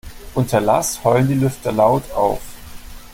Unter Last heulen die Lüfter laut auf.